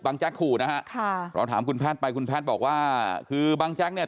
บังแจ็คขู่นะฮะเราถามคุณแพทไปคุณแพทบอกว่าคือบังแจ็คเนี่ย